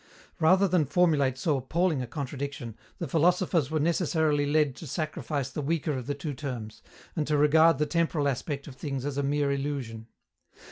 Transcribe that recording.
Rather than formulate so appalling a contradiction, the philosophers were necessarily led to sacrifice the weaker of the two terms, and to regard the temporal aspect of things as a mere illusion.